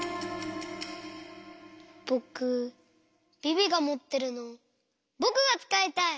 ぼくビビがもってるのぼくがつかいたい！